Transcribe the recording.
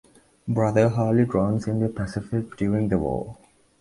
Brother Hartley drowns in the Pacific during The War.